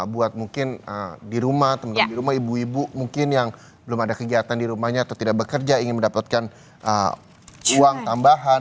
buat mungkin di rumah teman teman di rumah ibu ibu mungkin yang belum ada kegiatan di rumahnya atau tidak bekerja ingin mendapatkan uang tambahan